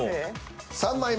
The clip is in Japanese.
３枚目。